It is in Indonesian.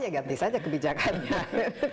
ya ganti saja kebijakannya